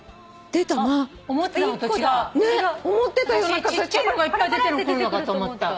私ちっちゃいのがいっぱい出てくるのかと思った。